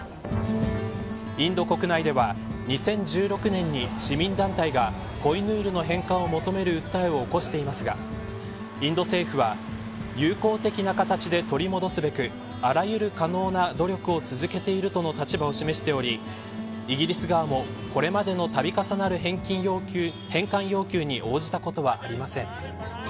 インド国内では、２０１６年に市民団体が、コイヌールの返還を求める訴えを起こしていますがインド政府は友好的な形で取り戻すべくあらゆる可能な努力を続けているとの立場を示しておりイギリス側もこれまでの度重なる返還要求に応じたことはありません。